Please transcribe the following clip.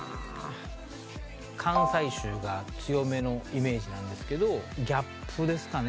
関西臭が強めのイメージなんですけどギャップですかね